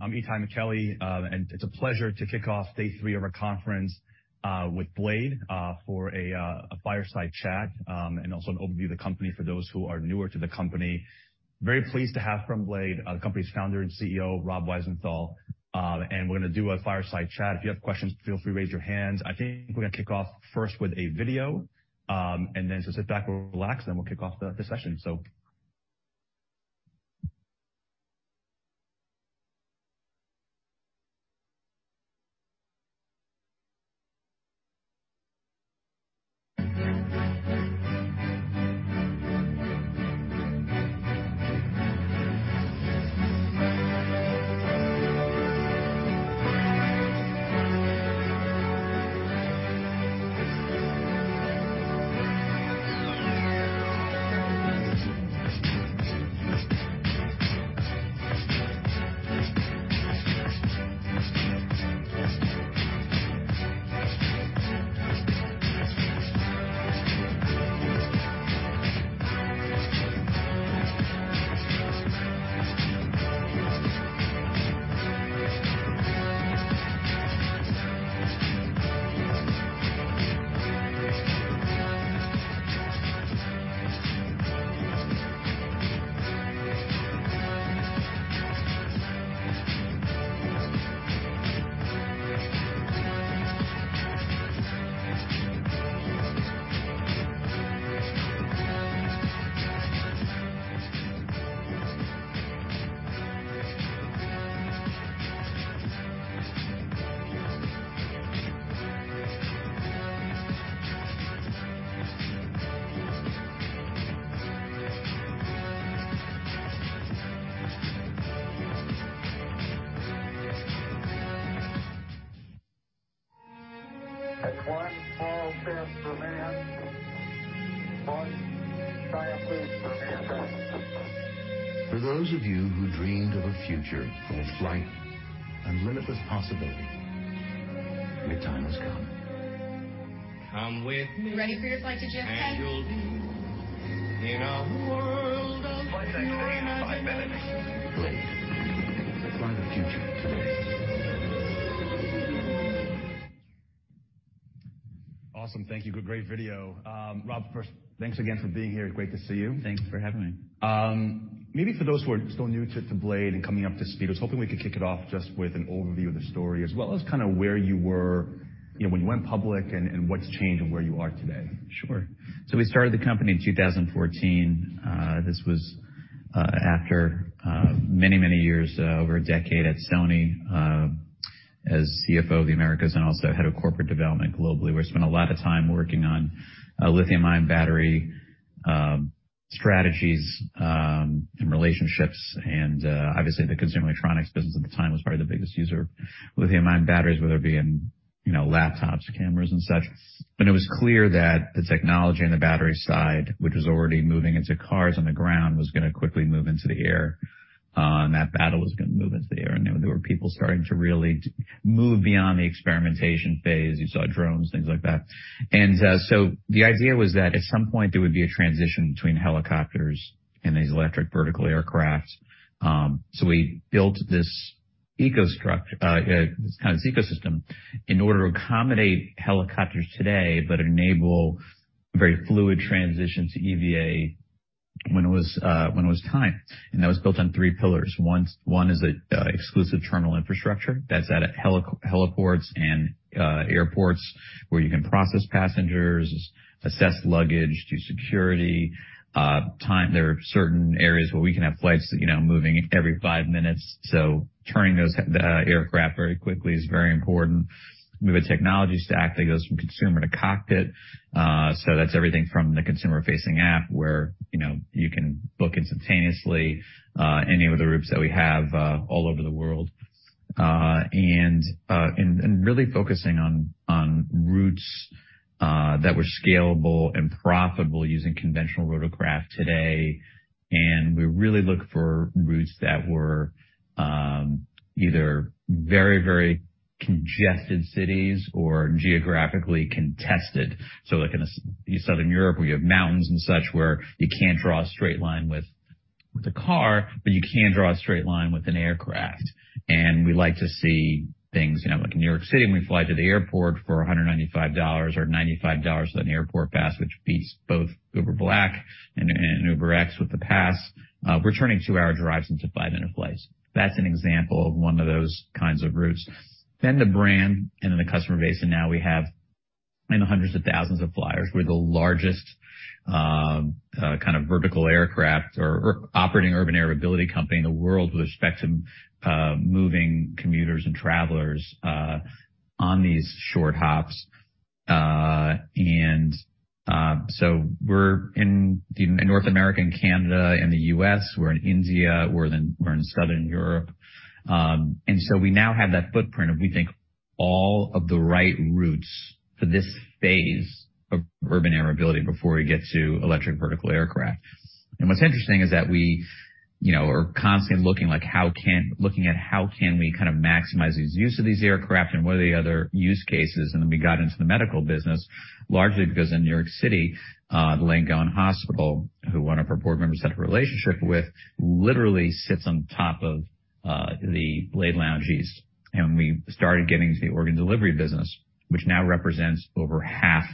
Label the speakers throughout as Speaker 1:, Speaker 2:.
Speaker 1: I'm Itay Michaeli. It's a pleasure to kick off day three of our conference with Blade for a fireside chat and also an overview of the company for those who are newer to the company. Very pleased to have from Blade, the company's Founder and CEO, Rob Wiesenthal. We're gonna do a fireside chat. If you have questions, feel free to raise your hands. I think we're gonna kick off first with a video. Sit back, relax, and then we'll kick off the session.
Speaker 2: That's one small step for man, one giant leap for mankind. For those of you who dreamed of a future with flight and limitless possibility, your time has come. Come with me.
Speaker 1: Ready for your flight to JFK?
Speaker 2: You'll be in a world of tomorrow. Flight 60 by melody. Blade. Flying the future today.
Speaker 1: Awesome. Thank you. Good, great video. Rob, first, thanks again for being here. Great to see you.
Speaker 3: Thanks for having me.
Speaker 1: Maybe for those who are still new to Blade and coming up to speed, I was hoping we could kick it off just with an overview of the story as well as kind of where you were, you know, when you went public and what's changed and where you are today.
Speaker 3: Sure. We started the company in 2014. This was after many, many years, over a decade at Sony, as CFO of the Americas and also head of corporate development globally. We spent a lot of time working on lithium-ion battery strategies and relationships. Obviously, the consumer electronics business at the time was probably the biggest user of lithium-ion batteries, whether it be in, you know, laptops, cameras and such. It was clear that the technology on the battery side, which was already moving into cars on the ground, was gonna quickly move into the air and that battle was gonna move into the air. There were people starting to really move beyond the experimentation phase. You saw drones, things like that. The idea was that at some point, there would be a transition between helicopters and these electric vertical aircraft. We built this kind of ecosystem in order to accommodate helicopters today, but enable very fluid transition to EVA when it was time. That was built on three pillars. One is an exclusive terminal infrastructure that's at heliports and airports where you can process passengers, assess luggage, do security. There are certain areas where we can have flights, you know, moving every five minutes. Turning those aircraft very quickly is very important. We have a technology stack that goes from consumer to cockpit. That's everything from the consumer-facing app, where, you know, you can book instantaneously, any of the routes that we have, all over the world. Really focusing on routes that were scalable and profitable using conventional rotorcraft today. We really look for routes that were either very, very congested cities or geographically contested. Like in Southern Europe, where you have mountains and such, where you can't draw a straight line with a car, but you can draw a straight line with an aircraft. We like to see things, you know, like in New York City, when we fly to the airport for $195 or $95 on an airport pass, which beats both Uber Black and UberX with the pass. We're turning two-hour drives into five-minute flights. That's an example of one of those kinds of routes. The brand and then the customer base, and now we have in the hundreds of thousands of flyers. We're the largest kind of vertical aircraft or operating Urban Air Mobility company in the world with respect to moving commuters and travelers on these short hops. We're in North America and Canada and the U.S. We're in India. We're in Southern Europe. We now have that footprint of, we think, all of the right routes for this phase of Urban Air Mobility before we get to electric vertical aircraft. What's interesting is that You know, we're constantly looking at how can we kind of maximize these use of these aircraft and what are the other use cases? Then we got into the medical business largely because in New York City, the Langone Hospital, who one of our board members had a relationship with, literally sits on top of the Blade lounges. We started getting to the organ delivery business, which now represents over half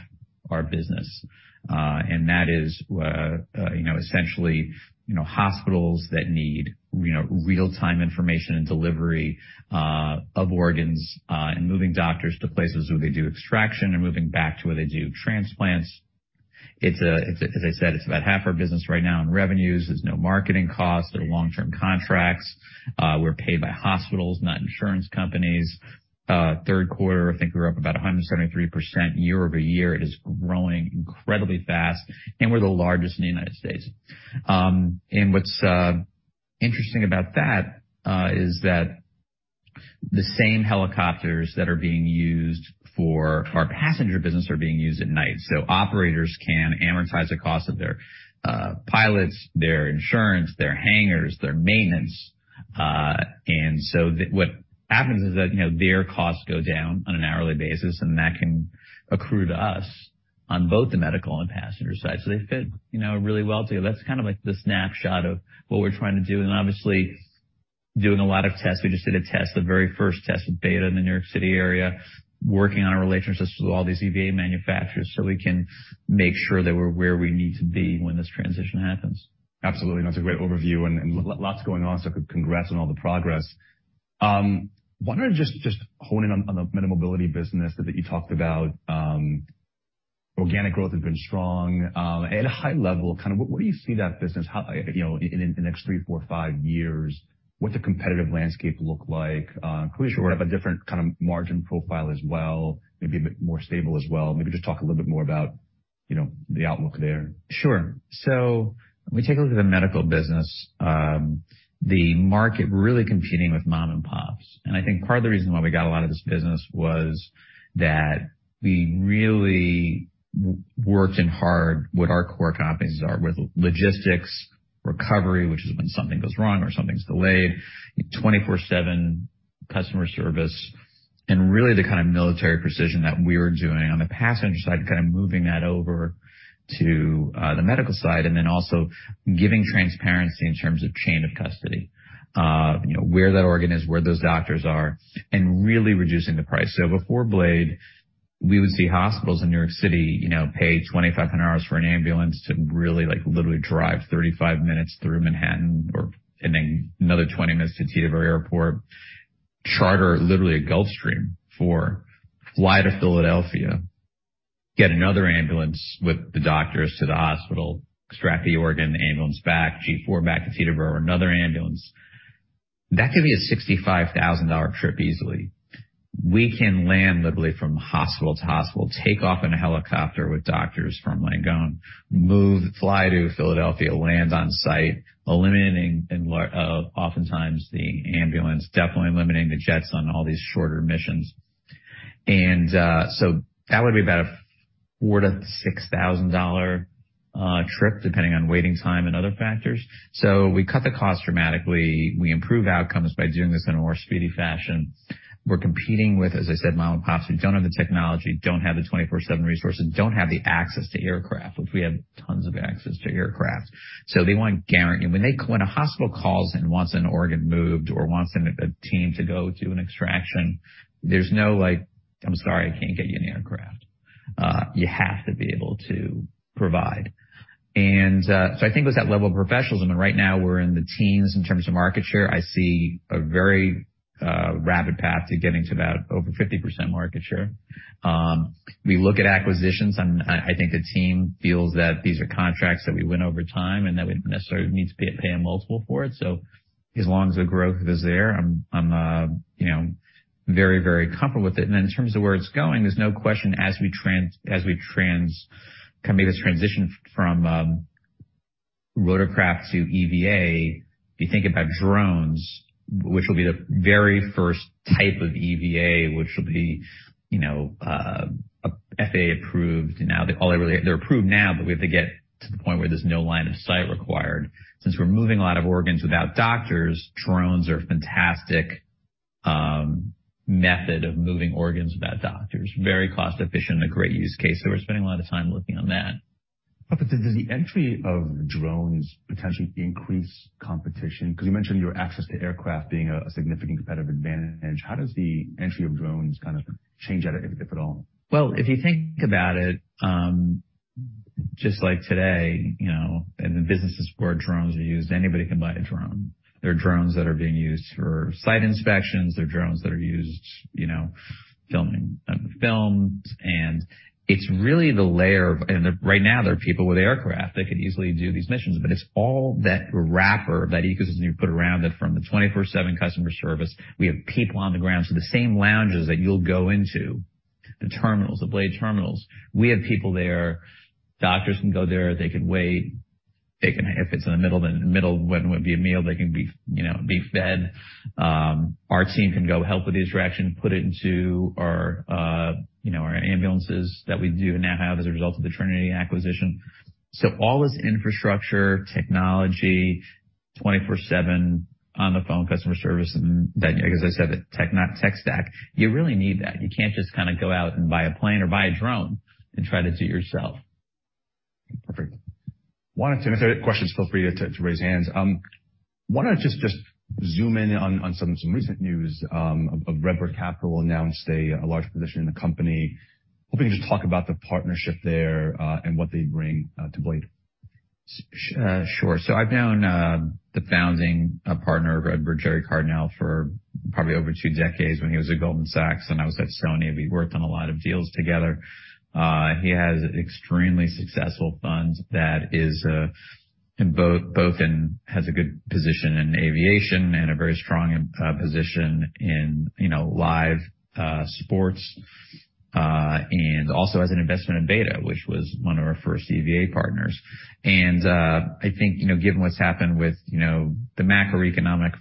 Speaker 3: our business. That is, you know, essentially, you know, hospitals that need, you know, real-time information and delivery of organs and moving doctors to places where they do extraction and moving back to where they do transplants. It's, as I said, it's about half our business right now in revenues. There's no marketing costs. They're long-term contracts. We're paid by hospitals, not insurance companies. Third quarter, I think we're up about 173% year-over-year. It is growing incredibly fast, and we're the largest in the United States. What's interesting about that is that the same helicopters that are being used for our passenger business are being used at night, so operators can amortize the cost of their pilots, their insurance, their hangars, their maintenance. What happens is that, you know, their costs go down on an hourly basis, and that can accrue to us on both the medical and passenger side. They fit, you know, really well together. That's kind of like the snapshot of what we're trying to do. Obviously doing a lot of tests. We just did a test, the very first test of Beta in the New York City area, working on our relationships with all these EVA manufacturers so we can make sure that we're where we need to be when this transition happens.
Speaker 1: Absolutely. That's a great overview and lots going on, so congrats on all the progress. Wanted to just hone in on the MediMobility business that you talked about. Organic growth has been strong. At a high level, kind of where do you see that business, how, you know, in the next three, four, five years? What's the competitive landscape look like?
Speaker 3: Sure.
Speaker 1: I'm pretty sure we have a different kind of margin profile as well, maybe a bit more stable as well. Maybe just talk a little bit more about, you know, the outlook there.
Speaker 3: Sure. When we take a look at the medical business, the market really competing with mom and pops. I think part of the reason why we got a lot of this business was that we really worked in hard what our core competencies are with logistics, recovery, which is when something goes wrong or something's delayed, 24/7 customer service, and really the kind of military precision that we were doing on the passenger side, kind of moving that over to the medical side, and then also giving transparency in terms of chain of custody. You know, where that organ is, where those doctors are, and really reducing the price. Before Blade, we would see hospitals in New York City, you know, pay $2,500 for an ambulance to really, like, literally drive 35 minutes through Manhattan, and then another 20 minutes to Teterboro Airport, charter literally a Gulfstream IV, fly to Philadelphia, get another ambulance with the doctors to the hospital, extract the organ, the ambulance back, G4 back to Teterboro, another ambulance. That could be a $65,000 trip easily. We can land literally from hospital to hospital, take off in a helicopter with doctors from Langone, fly to Philadelphia, land on-site, eliminating oftentimes the ambulance, definitely eliminating the jets on all these shorter missions. That would be about a $4,000 to $6,000 trip, depending on waiting time and other factors. We cut the cost dramatically. We improve outcomes by doing this in a more speedy fashion. We're competing with, as I said, mom and pops who don't have the technology, don't have the twenty-four/seven resources, don't have the access to aircraft, which we have tons of access to aircraft. When a hospital calls and wants an organ moved or wants a team to go do an extraction, there's no like, "I'm sorry, I can't get you an aircraft." You have to be able to provide. I think with that level of professionalism, and right now we're in the teens in terms of market share. I see a very rapid path to getting to about over 50% market share. We look at acquisitions, and I think the team feels that these are contracts that we win over time and that we don't necessarily need to pay a multiple for it. As long as the growth is there, I'm, you know, very, very comfortable with it. Then in terms of where it's going, there's no question as we kind of make this transition from rotorcraft to EVA, if you think about drones, which will be the very first type of EVA, which will be, you know, FAA-approved. Now, they're approved now, but we have to get to the point where there's no line of sight required. Since we're moving a lot of organs without doctors, drones are a fantastic method of moving organs without doctors. Very cost-efficient and a great use case. We're spending a lot of time working on that.
Speaker 1: Does the entry of drones potentially increase competition? You mentioned your access to aircraft being a significant competitive advantage. How does the entry of drones kind of change that, if at all?
Speaker 3: If you think about it, just like today, you know, in the businesses where drones are used, anybody can buy a drone. There are drones that are being used for site inspections. There are drones that are used, you know, filming films. It's really the layer of right now there are people with aircraft that could easily do these missions, but it's all that wrapper, that ecosystem you put around it from the 24/7 customer service. We have people on the ground. The same lounges that you'll go into, the terminals, the Blade terminals, we have people there. Doctors can go there. They can wait. If it's in the middle of when would be a meal, they can be, you know, be fed. Our team can go help with the extraction, put it into our, you know, our ambulances that we do now have as a result of the Trinity acquisition. All this infrastructure, technology. 24/7 on the phone customer service and like I said, the tech, not tech stack. You really need that. You can't just kinda go out and buy a plane or buy a drone and try to do it yourself.
Speaker 1: Perfect. If there are questions, feel free to raise hands. Why don't I just zoom in on some recent news, of RedBird Capital announced a large position in the company. Hoping you can just talk about the partnership there, and what they bring to Blade.
Speaker 3: Sure. I've known the founding partner of RedBird, Gerry Cardinale, for probably over two decades when he was at Goldman Sachs and I was at Sony. We worked on a lot of deals together. He has extremely successful funds that is in both has a good position in aviation and a very strong position in, you know, live sports. Also has an investment in Beta, which was one of our first EVA partners. I think, you know, given what's happened with, you know, the macroeconomic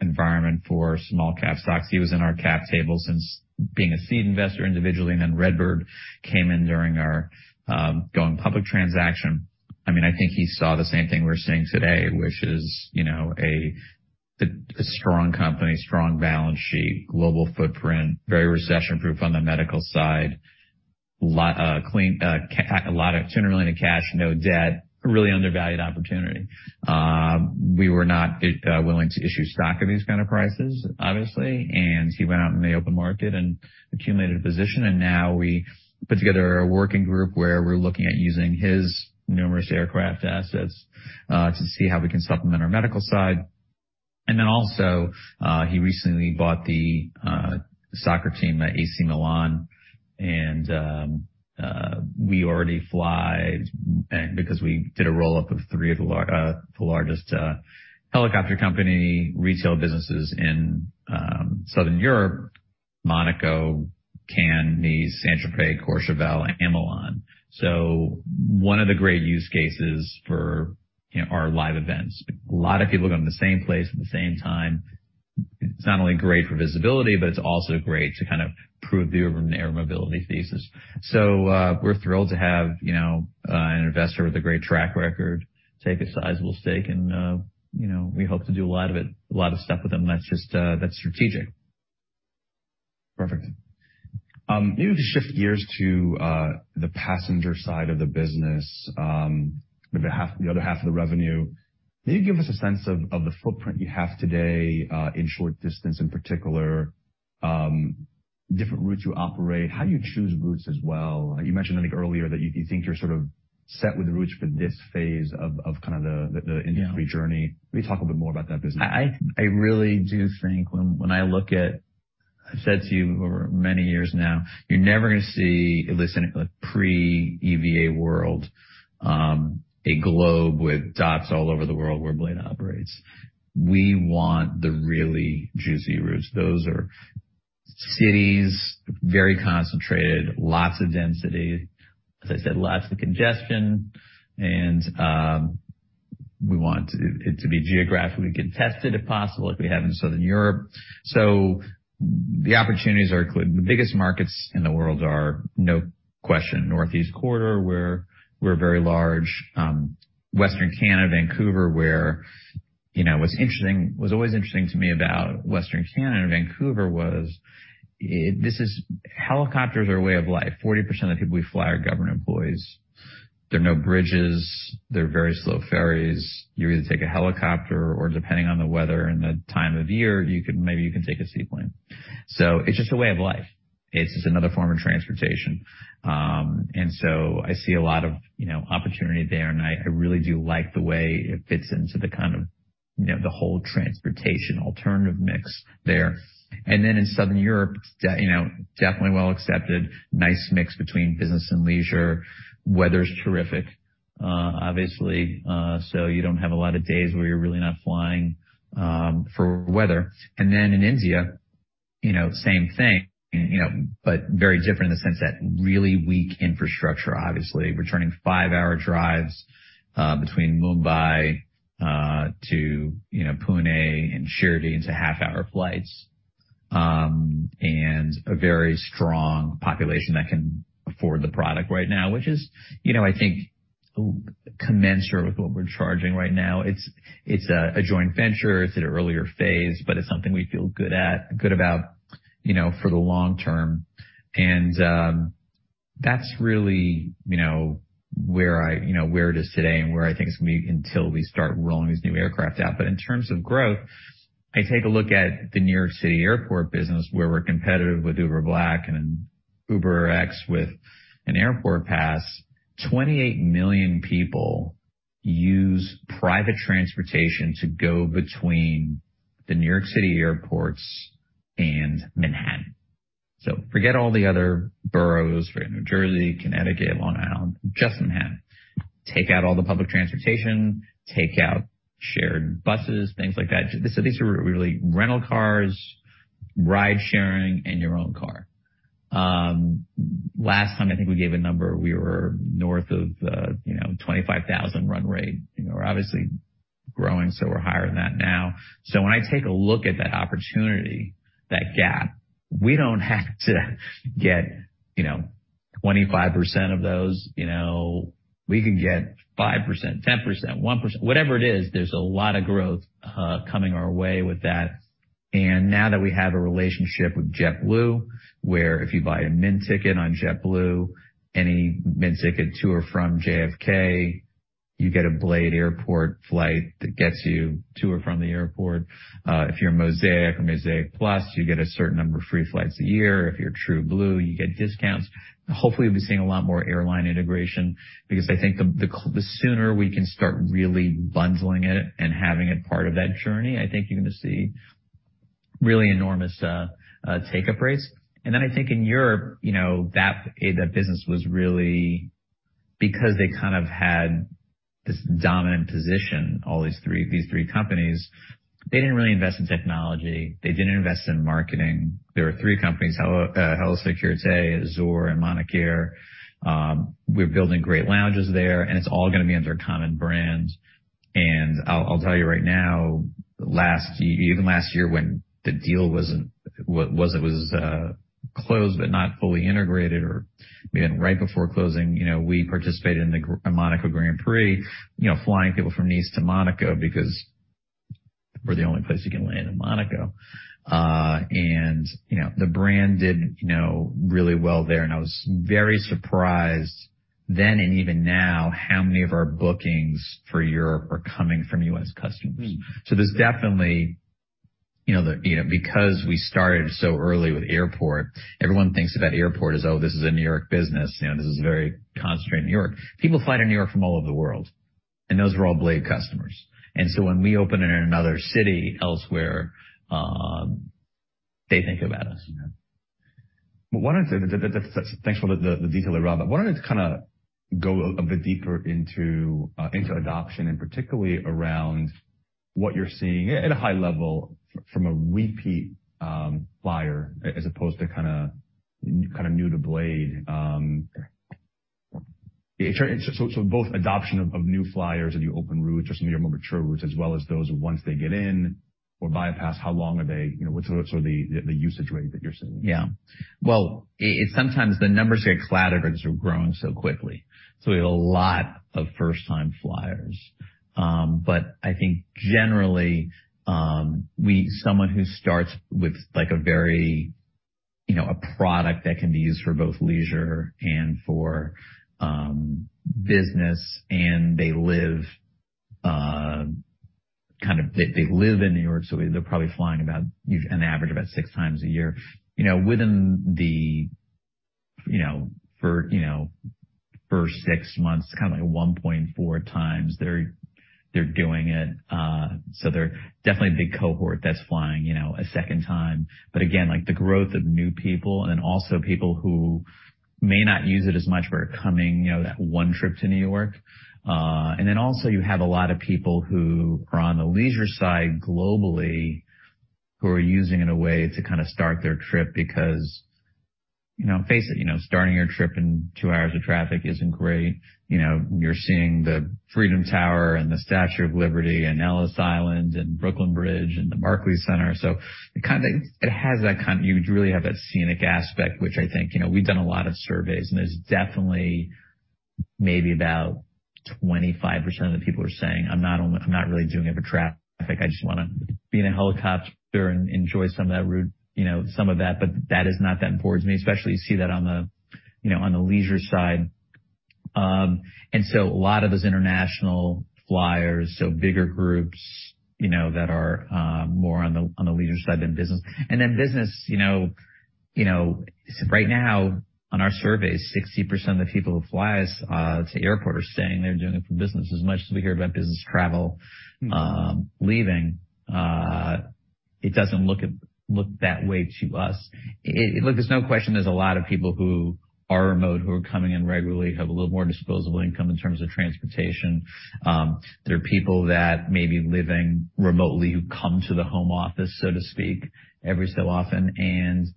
Speaker 3: environment for small cap stocks, he was in our cap table since being a seed investor individually, and then RedBird came in during our going public transaction. I mean, I think he saw the same thing we're seeing today, which is, you know, a strong company, strong balance sheet, global footprint, very recession-proof on the medical side. Lot clean $200 million in cash, no debt, a really undervalued opportunity. We were not willing to issue stock at these kind of prices, obviously, and he went out in the open market and accumulated a position, and now we put together a working group where we're looking at using his numerous aircraft assets to see how we can supplement our medical side. Then also, he recently bought the soccer team, AC Milan. We already fly because we did a roll-up of three of the largest helicopter company retail businesses in southern Europe, Monaco, Cannes, Nice, Saint-Tropez, Courchevel, and Milan. One of the great use cases for, you know, are live events. A lot of people going to the same place at the same time. It's not only great for visibility, but it's also great to kind of prove the Urban Air Mobility thesis. We're thrilled to have, you know, an investor with a great track record take a sizable stake and, you know, we hope to do a lot of it, a lot of stuff with him that's just that's strategic.
Speaker 1: Perfect. Maybe to shift gears to the passenger side of the business, the other half of the revenue. Can you give us a sense of the footprint you have today in short distance in particular, different routes you operate? How do you choose routes as well? You mentioned I think earlier that you think you're sort of set with routes for this phase of kind of the industry journey. Maybe talk a bit more about that business.
Speaker 3: I really do think I've said to you over many years now, you're never gonna see, at least in a pre-EVA world, a globe with dots all over the world where Blade operates. We want the really juicy routes. Those are cities, very concentrated, lots of density, as I said, lots of congestion. We want it to be geographically contested, if possible, like we have in southern Europe. The opportunities are the biggest markets in the world are, no question, Northeast Corridor, where we're very large. Western Canada, Vancouver, where, you know, what's always interesting to me about Western Canada, Vancouver was it. Helicopters are a way of life. 40% of the people we fly are government employees. There are no bridges. There are very slow ferries. You either take a helicopter or depending on the weather and the time of year, maybe you can take a seaplane. It's just a way of life. It's just another form of transportation. I see a lot of, you know, opportunity there, and I really do like the way it fits into the kind of, you know, the whole transportation alternative mix there. In southern Europe, you know, definitely well accepted. Nice mix between business and leisure. Weather's terrific, obviously, you don't have a lot of days where you're really not flying for weather. In India, you know, same thing, you know, very different in the sense that really weak infrastructure, obviously. We're turning five-hour drives between Mumbai to, you know, Pune and Shirdi into half-hour flights. A very strong population that can afford the product right now, which is, you know, I think commensurate with what we're charging right now. It's a joint venture. It's at an earlier phase, but it's something we feel good about, you know, for the long term. That's really, you know, where it is today and where I think it's gonna be until we start rolling these new aircraft out. In terms of growth, I take a look at the New York City airport business, where we're competitive with Uber Black and UberX with an airport pass. 28 million people use private transportation to go between the New York City airports and Manhattan. Forget all the other boroughs, forget New Jersey, Connecticut, Long Island, just Manhattan. Take out all the public transportation, take out shared buses, things like that. These are really rental cars, ride-sharing, and your own car. Last time I think we gave a number, we were north of, you know, 25,000 run rate. You know, we're obviously growing, so we're higher than that now. When I take a look at that opportunity, that gap, we don't have to get, you know, 25% of those, you know, we can get 5%, 10%, 1%, whatever it is. There's a lot of growth coming our way with that. Now that we have a relationship with JetBlue, where if you buy a Mint ticket on JetBlue, any Mint ticket to or from JFK, you get a Blade airport flight that gets you to or from the airport. If you're Mosaic or Mosaic Plus, you get a certain number of free flights a year. If you're TrueBlue, you get discounts. Hopefully, we'll be seeing a lot more airline integration because I think the sooner we can start really bundling it and having it part of that journey, I think you're gonna see really enormous take-up rates. Then I think in Europe, you know, that business was really because they kind of had this dominant position, all these three companies, they didn't really invest in technology. They didn't invest in marketing. There were three companies, Héli Sécurité, Azur and Monacair. We're building great lounges there, and it's all gonna be under a common brand. I'll tell you right now, even last year when the deal it was closed, but not fully integrated, or even right before closing, you know, we participated in the Monaco Grand Prix, you know, flying people from Nice to Monaco because we're the only place you can land in Monaco. You know, the brand did, you know, really well there. I was very surprised then and even now, how many of our bookings for Europe are coming from U.S. customers. There's definitely, you know, because we started so early with airport, everyone thinks about airport as, oh, this is a New York business. You know, this is very concentrated in New York. People fly to New York from all over the world, and those are all Blade customers. When we open in another city elsewhere, they think about us.
Speaker 1: That's, that's. Thanks for the detail around that. Why don't you kinda go a bit deeper into adoption, and particularly around what you're seeing at a high level from a repeat flyer as opposed to kinda new to Blade. So both adoption of new flyers as you open routes or some of your more mature routes as well as those once they get in or bypass, how long are they? You know, what's, what are the usage rate that you're seeing?
Speaker 3: Well, sometimes the numbers get clouded because we're growing so quickly. We have a lot of first-time flyers. I think generally, someone who starts with, like, a very, you know, a product that can be used for both leisure and for business, and they live, kind of, they live in New York, so they're probably flying about an average about six times a year. You know, within the, you know, first six months, kind of like 1.4 times they're doing it. They're definitely a big cohort that's flying, you know, a second time. Again, like the growth of new people and also people who may not use it as much but are coming, you know, that 1 trip to New York. You have a lot of people who are on the leisure side globally who are using it in a way to kinda start their trip because, you know, face it, you know, starting your trip in two hours of traffic isn't great. You know, you're seeing the Freedom Tower and the Statue of Liberty and Ellis Island and Brooklyn Bridge and the Barclays Center. It has that kind. You really have that scenic aspect, which I think, you know, we've done a lot of surveys, and there's definitely maybe about 25% of the people are saying, "I'm not really doing it for traffic. I just wanna be in a helicopter and enjoy some of that route, you know, some of that. That is not that important to me. Especially you see that on the, you know, on the leisure side. A lot of those international flyers, so bigger groups, you know, that are more on the leisure side than business. Business, you know, right now on our surveys, 60% of the people who fly us to airport are saying they're doing it for business. As much as we hear about business travel, leaving, it doesn't look that way to us. Look, there's no question there's a lot of people who are remote, who are coming in regularly, have a little more disposable income in terms of transportation. There are people that may be living remotely who come to the home office, so to speak, every so often.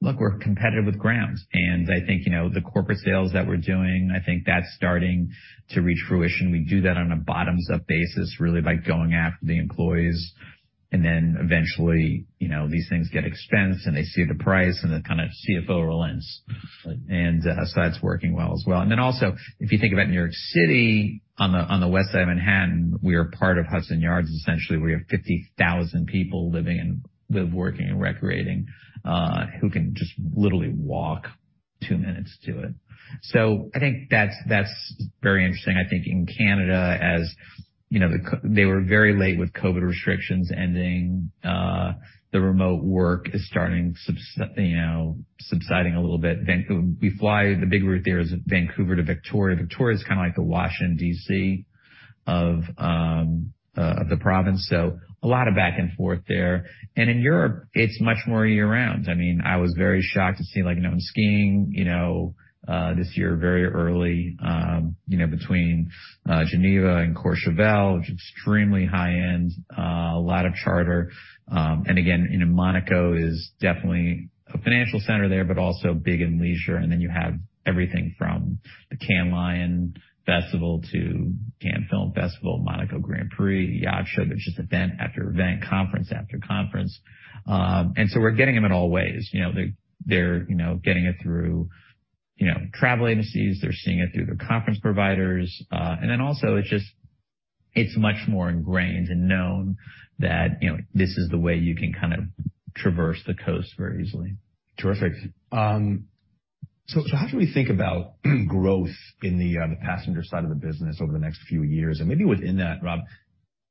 Speaker 3: Look, we're competitive with grounds. I think, you know, the corporate sales that we're doing, I think that's starting to reach fruition. We do that on a bottoms-up basis, really by going after the employees. Eventually, you know, these things get expensed, and they see the price, and the kind of CFO relents.
Speaker 1: Right.
Speaker 3: That's working well as well. Also, if you think about New York City on the West Side of Manhattan, we are part of Hudson Yards, essentially, where you have 50,000 people living and working and recreating, who can just literally walk two minutes to it. I think that's very interesting. I think in Canada, as you know, they were very late with COVID restrictions ending, the remote work is starting, you know, subsiding a little bit. We fly the big route there is Vancouver to Victoria. Victoria is kind of like the Washington, D.C. of the province, so a lot of back and forth there. In Europe, it's much more year-round. I mean, I was very shocked to see, like, you know, in skiing, you know, this year very early, you know, between Geneva and Courchevel, which are extremely high-end, a lot of charter. Again, you know, Monaco is definitely a financial center there, but also big in leisure. Then you have everything from the Cannes Lions Festival to Cannes Film Festival, Monaco Grand Prix, the yacht show. There's just event after event, conference after conference. So we're getting them in all ways. You know, they're, you know, getting it through, you know, travel agencies. They're seeing it through their conference providers. Also It's much more ingrained and known that, you know, this is the way you can kind of traverse the coast very easily.
Speaker 1: Terrific. How should we think about growth in the passenger side of the business over the next few years? Maybe within that, Rob,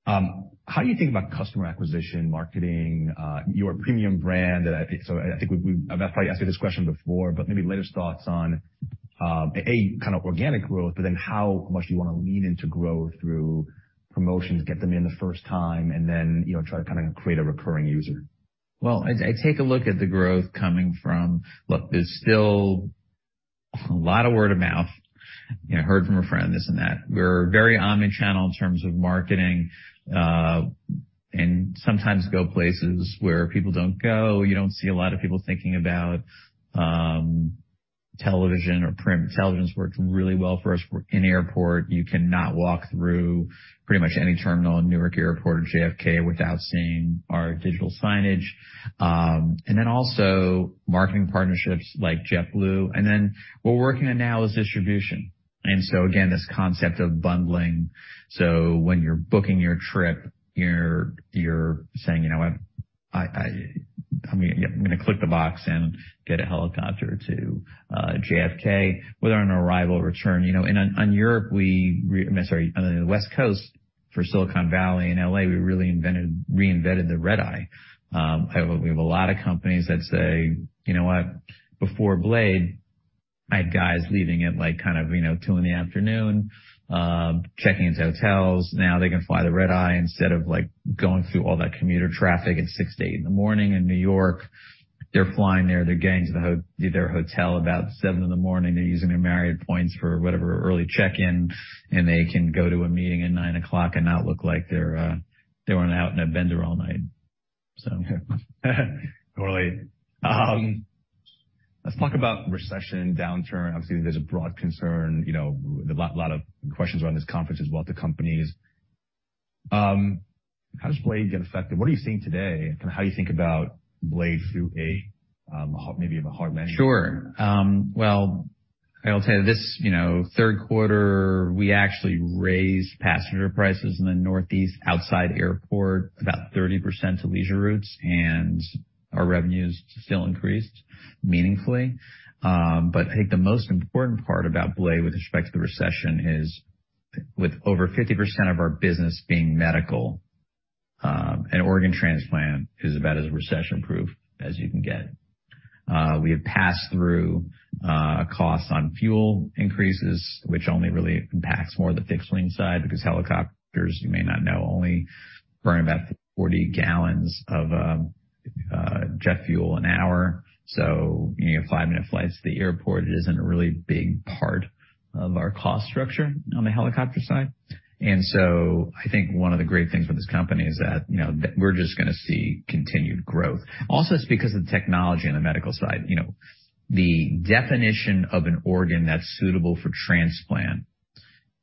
Speaker 1: how do you think about customer acquisition, marketing, your premium brand? I've probably asked you this question before, but maybe latest thoughts on, A, kind of organic growth, but then how much do you wanna lean into growth through promotions, get them in the first time, and then, you know, try to kinda create a recurring user.
Speaker 3: Well, I take a look at the growth coming from. Look, there's still a lot of word of mouth. You know, heard from a friend, this and that. We're very omni-channel in terms of marketing, and sometimes go places where people don't go. You don't see a lot of people thinking about, television or print. Television's worked really well for us. In airport, you cannot walk through pretty much any terminal in Newark Airport or JFK without seeing our digital signage. Also marketing partnerships like JetBlue. What we're working on now is distribution, again, this concept of bundling. When you're booking your trip, you're saying, you know, I'm gonna click the box and get a helicopter to JFK. Whether on arrival or return. You know, on Europe, we. Sorry. On the West Coast for Silicon Valley and L.A., we really reinvented the red-eye. We have a lot of companies that say, "You know what? Before Blade, I had guys leaving at, you know, 2:00 P.M in the afternoon, checking into hotels. Now they can fly the red-eye instead of going through all that commuter traffic at 6:00 A.M to 8:00 A.M in the morning in New York. They're flying there, they're getting to their hotel about 7:00 A.M in the morning. They're using their Marriott points for whatever, early check-in, and they can go to a meeting at 9:00 and not look like they're, they weren't out in a bender all night.
Speaker 1: Totally. Let's talk about recession, downturn. Obviously, there's a broad concern, you know, a lot of questions around this conference about the companies. How does Blade get affected? What are you seeing today? Kinda how you think about Blade through a, maybe of a hard landing?
Speaker 3: Sure. Well, I will tell you this, you know, third quarter, we actually raised passenger prices in the Northeast outside airport about 30% to leisure routes, our revenues still increased meaningfully. I think the most important part about BLADE with respect to the recession is with over 50% of our business being medical, an organ transplant is about as recession-proof as you can get. We have passed through costs on fuel increases, which only really impacts more of the fixed wing side because helicopters, you may not know, only burn about 40 gallons of jet fuel an hour. You know, your five-minute flights to the airport isn't a really big part of our cost structure on the helicopter side. I think one of the great things with this company is that, you know, we're just gonna see continued growth. It's because of the technology on the medical side. You know, the definition of an organ that's suitable for transplant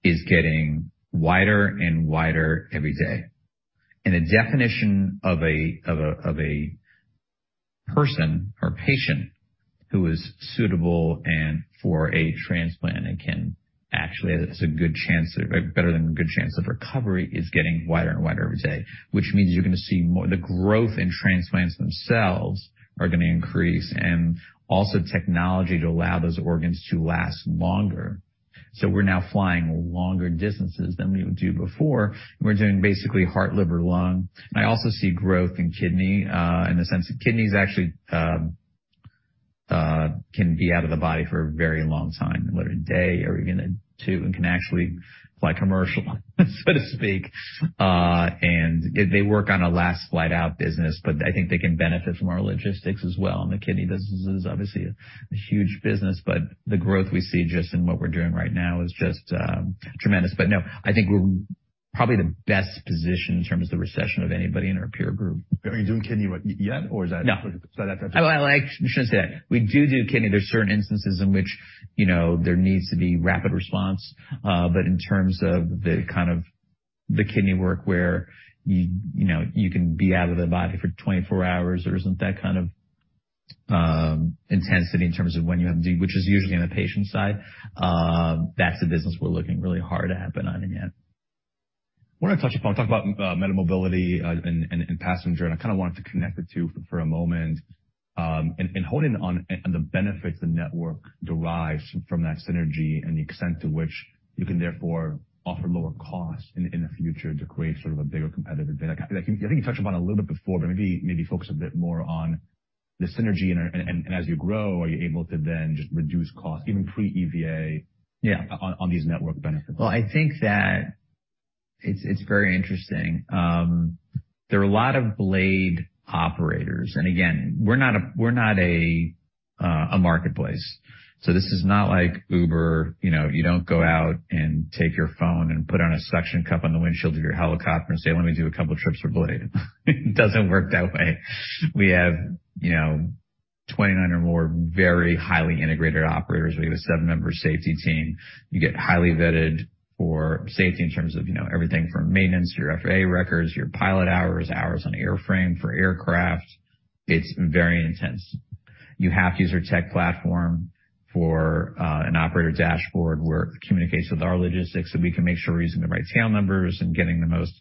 Speaker 3: is getting wider and wider every day. The definition of a person or patient who is suitable and for a transplant and can actually has a better than a good chance of recovery is getting wider and wider every day, which means you're gonna see more. The growth in transplants themselves are gonna increase, and also technology to allow those organs to last longer. We're now flying longer distances than we would do before. We're doing basically heart, liver, lung. I also see growth in kidney, in the sense that kidneys actually can be out of the body for a very long time, what, a day or even two, and can actually fly commercial, so to speak. They work on a last flight out business, but I think they can benefit from our logistics as well. The kidney business is obviously a huge business, but the growth we see just in what we're doing right now is just tremendous. No, I think we're probably the best positioned in terms of the recession of anybody in our peer group.
Speaker 1: Are you doing kidney yet or is that-
Speaker 3: No.
Speaker 1: So that's-
Speaker 3: I shouldn't say that. We do kidney. There's certain instances in which, you know, there needs to be rapid response. In terms of the kind of the kidney work where you know, you can be out of the body for 24 hours, there isn't that kind of intensity in terms of when you have to do, which is usually on the patient side. That's a business we're looking really hard at, not in yet.
Speaker 1: I wanna talk about MediMobility and passenger. I kinda wanted to connect the two for a moment. holding on the benefits the network derives from that synergy and the extent to which you can therefore offer lower costs in the future to create sort of a bigger competitive advantage. I think you touched upon it a little bit before, but maybe focus a bit more on the synergy and as you grow, are you able to then just reduce costs even pre-EVA.
Speaker 3: Yeah.
Speaker 1: on these network benefits?
Speaker 3: Well, I think that it's very interesting. There are a lot of BLADE operators. Again, we're not a marketplace. This is not like Uber. You know, you don't go out and take your phone and put on a suction cup on the windshield of your helicopter and say, "Let me do a couple trips for BLADE." It doesn't work that way. We have, you know, 29 or more very highly integrated operators. We have a seven-member safety team. You get highly vetted for safety in terms of, you know, everything from maintenance, your FAA records, your pilot hours on airframe for aircraft. It's very intense. You have to use our tech platform for an operator dashboard where it communicates with our logistics, we can make sure we're using the right tail numbers and getting the most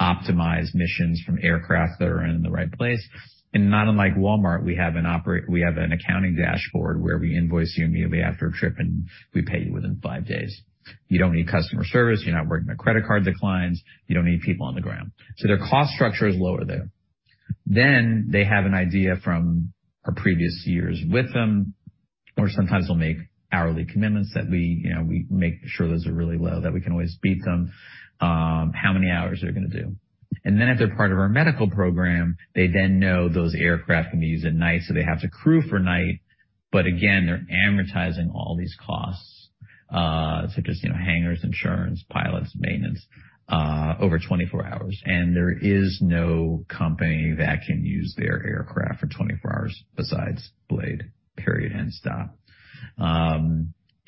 Speaker 3: optimized missions from aircraft that are in the right place. Not unlike Walmart, we have an accounting dashboard where we invoice you immediately after a trip, and we pay you within five days. You don't need customer service. You're not working with credit card declines. You don't need people on the ground. Their cost structure is lower there. They have an idea from our previous years with them, or sometimes they'll make hourly commitments that we, you know, we make sure those are really low, that we can always beat them, how many hours they're gonna do. If they're part of our medical program, they then know those aircraft are going to be used at night, so they have to crew for night. Again, they're amortizing all these costs, such as, you know, hangars, insurance, pilots, maintenance, over 24 hours. There is no company that can use their aircraft for 24 hours besides Blade, period, end stop.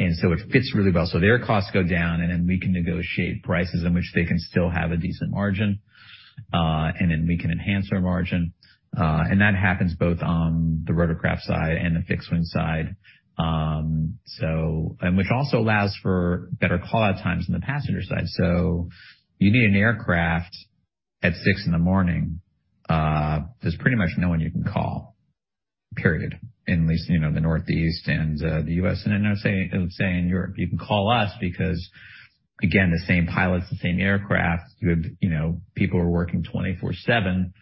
Speaker 3: It fits really well. Their costs go down, and then we can negotiate prices in which they can still have a decent margin, and then we can enhance our margin. That happens both on the rotorcraft side and the fixed-wing side. Which also allows for better call-out times on the passenger side. You need an aircraft at 6:00 A.M., there's pretty much no one you can call, period, in at least, you know, the Northeast and the U.S. I'm not saying, I'm saying Europe, you can call us because, again, the same pilots, the same aircraft, you have, you know, people are working 24/7.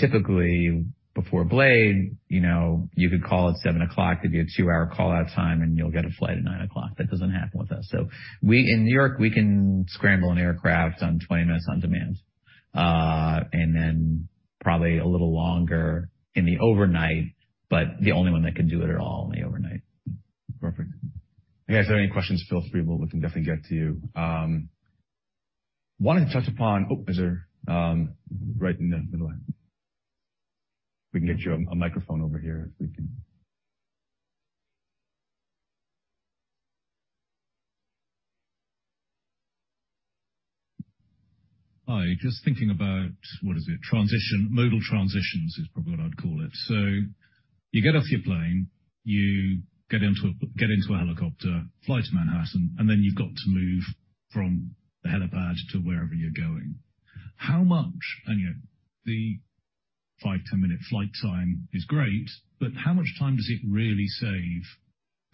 Speaker 3: Typically before Blade, you know, you could call at 7:00, it'd be a two-hour call-out time, and you'll get a flight at 9:00. That doesn't happen with us. In New York, we can scramble an aircraft on 20 minutes on demand. Probably a little longer in the overnight, but the only one that can do it at all in the overnight.
Speaker 1: Perfect. If you guys have any questions, feel free. We can definitely get to you. Right in the middle. We can get you a microphone over here if we can. Hi. Just thinking about, what is it? Transition. Modal transitions is probably what I'd call it. You get off your plane, you get into a helicopter, fly to Manhattan, and then you've got to move from the helipad to wherever you're going. How much? You know, the five, 10-minute flight time is great, but how much time does it really save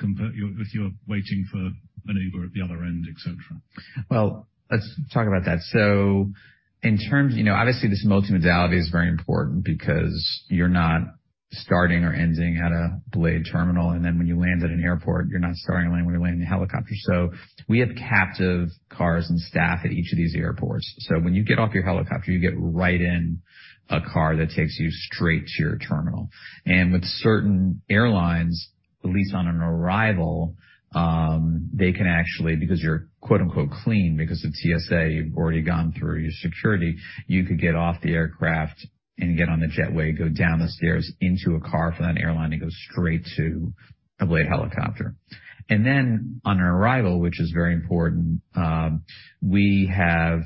Speaker 1: compared if you're waiting for an Uber at the other end, et cetera?
Speaker 3: Well, let's talk about that. In terms, you know, obviously, this multimodality is very important because you're not starting or ending at a Blade terminal. When you land at an airport, you're not starting or landing when you're landing in a helicopter. We have captive cars and staff at each of these airports. When you get off your helicopter, you get right in a car that takes you straight to your terminal. With certain airlines, at least on an arrival, they can actually, because you're quote-unquote clean because of TSA, you've already gone through your security, you could get off the aircraft and get on the jet way, go down the stairs into a car from that airline, and go straight to a Blade helicopter. On arrival, which is very important, we have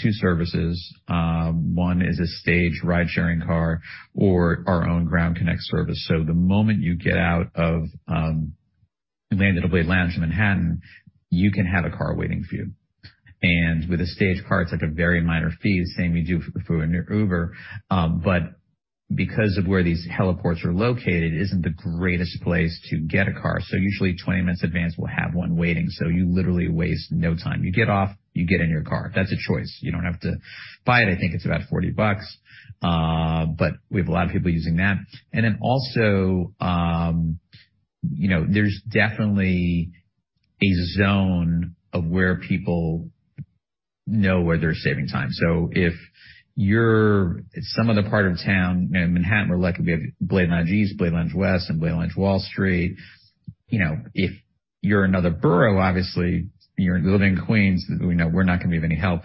Speaker 3: two services. One is a stage-ride sharing car or our own Ground Connect service. The moment you get out of, land at a Blade lounge in Manhattan, you can have a car waiting for you. With a stage car, it's like a very minor fee, the same you do if we're in your Uber. But because of where these heliports are located isn't the greatest place to get a car. Usually 20 minutes advance, we'll have one waiting. You literally waste no time. You get off, you get in your car. That's a choice. You don't have to buy it. I think it's about $40. But we have a lot of people using that. Also, you know, there's definitely a zone of where people know where they're saving time. If you're at some other part of town, you know, Manhattan, we're lucky we have Blade Lounge East, Blade Lounge West, and Blade Lounge Wall Street. You know, if you're another borough, obviously you're living in Queens, we know we're not gonna be of any help.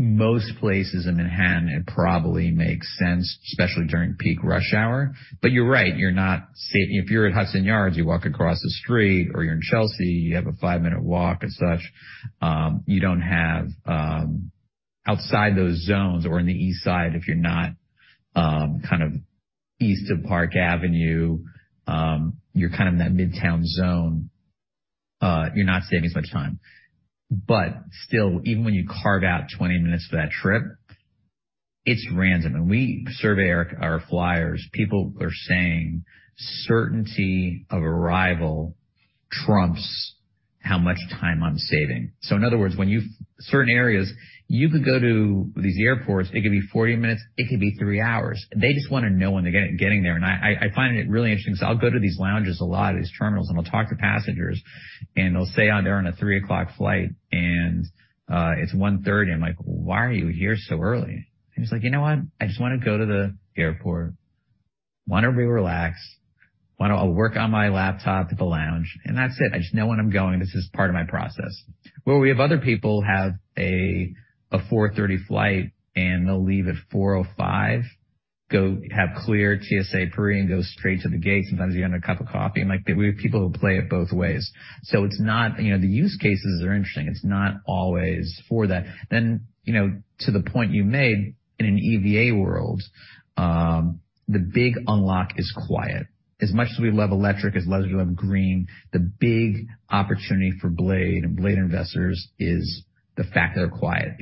Speaker 3: Most places in Manhattan, it probably makes sense, especially during peak rush hour. You're right, you're not. If you're at Hudson Yards, you walk across the street, or you're in Chelsea, you have a five-minute walk and such. You don't have outside those zones or in the East Side, if you're not kind of east of Park Avenue, you're kind of in that Midtown zone, you're not saving as much time. Still, even when you carve out 20 minutes for that trip, it's random. We survey our flyers. People are saying certainty of arrival trumps how much time I'm saving. In other words, when certain areas, you could go to these airports, it could be 40 minutes, it could be three hours. They just wanna know when they're getting there. I find it really interesting because I'll go to these lounges a lot at these terminals, and I'll talk to passengers, and they'll say they're on a 3:00 flight, and it's 1:30. I'm like, "Why are you here so early?" He's like, "You know what? I just wanna go to the airport, wanna relax, wanna work on my laptop at the lounge, and that's it. I just know when I'm going. This is part of my process." Where we have other people have a 4:30 flight, and they'll leave at 4:05, go have CLEAR TSA PreCheck and go straight to the gate. Sometimes you have a cup of coffee, and like, we have people who play it both ways. It's not, you know, the use cases are interesting. It's not always for that. You know, to the point you made, in an EVA world, the big unlock is quiet. As much as we love electric, as much as we love green, the big opportunity for Blade and Blade investors is the fact that they're quiet.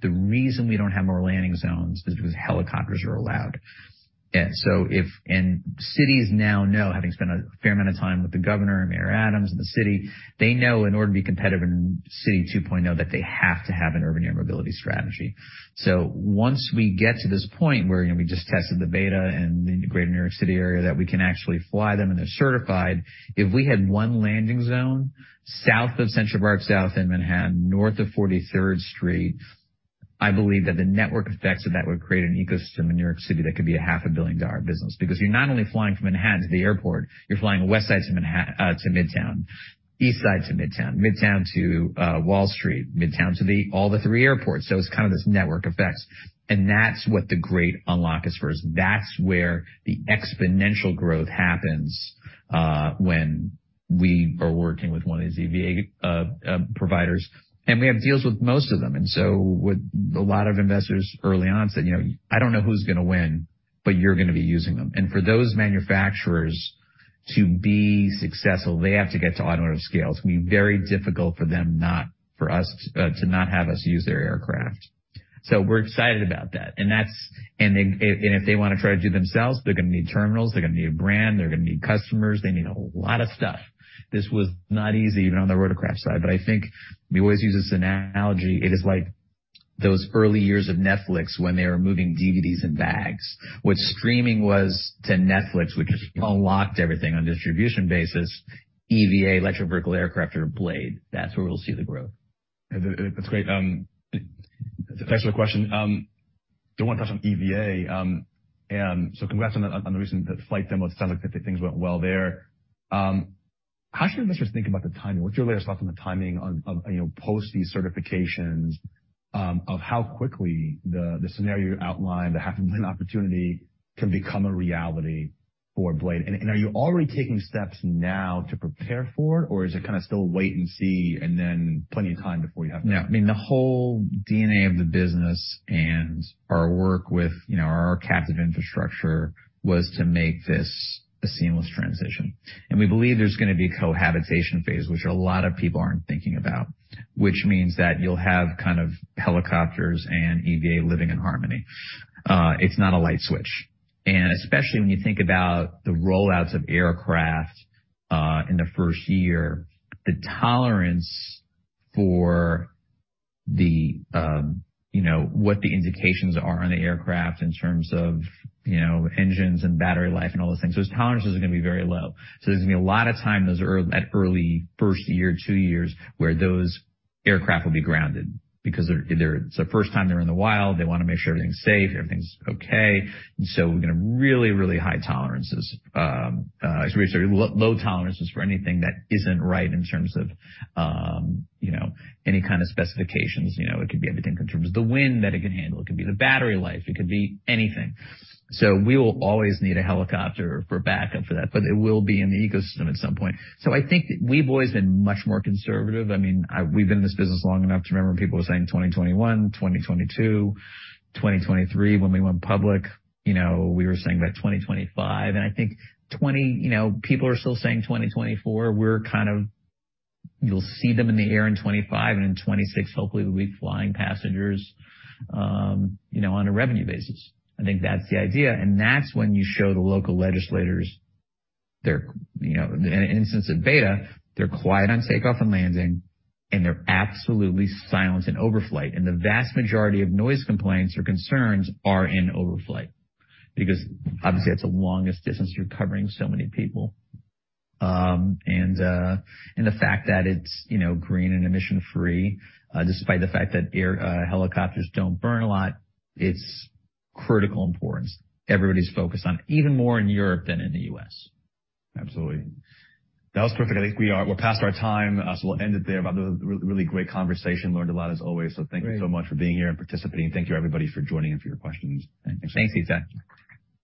Speaker 3: The reason we don't have more landing zones is because helicopters are allowed. Cities now know, having spent a fair amount of time with the governor, Mayor Adams, and the city, they know in order to be competitive in City 2.0 that they have to have an Urban Air Mobility strategy. Once we get to this point where, you know, we just tested the beta in the Greater New York City area, that we can actually fly them and they're certified. If we had one landing zone south of Central Park, South in Manhattan, north of Forty-third Street, I believe that the network effects of that would create an ecosystem in New York City that could be a half a billion dollar business. You're not only flying from Manhattan to the airport, you're flying West Side to Midtown, East Side to Midtown to Wall Street, Midtown to all the three airports. It's kind of this network effect, and that's what the great unlock is for us. That's where the exponential growth happens when we are working with one of these EVA providers, and we have deals with most of them. What a lot of investors early on said, "You know, I don't know who's gonna win, but you're gonna be using them." For those manufacturers to be successful, they have to get to automotive scale. It's gonna be very difficult to not have us use their aircraft. We're excited about that. If they wanna try to do it themselves, they're gonna need terminals, they're gonna need a brand, they're gonna need customers, they need a lot of stuff. This was not easy even on the rotorcraft side. I think we always use this analogy. It is like those early years of Netflix when they were moving DVDs in bags. What streaming was to Netflix, which unlocked everything on a distribution basis, EVA, electric vertical aircraft or Blade, that's where we'll see the growth.
Speaker 1: That's great. Thanks for the question. I do wanna touch on EVA. Congrats on the, on the recent flight demo. It sounds like things went well there. How should investors think about the timing? What's your latest thoughts on the timing on, you know, post these certifications, of how quickly the scenario you outlined, the half a billion opportunity can become a reality for Blade? Are you already taking steps now to prepare for it, or is it kind of still wait and see and then plenty of time before you have to?
Speaker 3: No. I mean, the whole DNA of the business and our work with, you know, our captive infrastructure was to make this a seamless transition. We believe there's gonna be a cohabitation phase, which a lot of people aren't thinking about, which means that you'll have kind of helicopters and EVA living in harmony. It's not a light switch. Especially when you think about the rollouts of aircraft, in the first year, the tolerance for the, you know, what the indications are on the aircraft in terms of, you know, engines and battery life and all those things. Those tolerances are gonna be very low. There's gonna be a lot of time that early first year, two years, where those aircraft will be grounded because it's the first time they're in the wild. They wanna make sure everything's safe, everything's okay. We're gonna really, really high tolerances. sorry, low tolerances for anything that isn't right in terms of, you know, any kind of specifications. You know, it could be everything from in terms of the wind that it can handle, it could be the battery life, it could be anything. We will always need a helicopter for backup for that, but it will be in the ecosystem at some point. I think we've always been much more conservative. I mean, we've been in this business long enough to remember when people were saying 2021, 2022, 2023. When we went public, you know, we were saying by 2025, and I think You know, people are still saying 2024. We're kind of... You'll see them in the air in 2025. In 2026, hopefully, we'll be flying passengers, you know, on a revenue basis. I think that's the idea. That's when you show the local legislators. You know, in an instance of Beta, they're quiet on takeoff and landing, and they're absolutely silent in overflight. The vast majority of noise complaints or concerns are in overflight because, obviously, that's the longest distance you're covering so many people. The fact that it's, you know, green and emission-free, despite the fact that helicopters don't burn a lot, it's critical importance. Everybody's focused on even more in Europe than in the U.S.
Speaker 1: Absolutely. That was perfect. I think we're past our time, so we'll end it there. Really great conversation. Learned a lot, as always.
Speaker 3: Great.
Speaker 1: Thank you so much for being here and participating. Thank you, everybody, for joining and for your questions. Thank you.
Speaker 3: Thank you, Itay.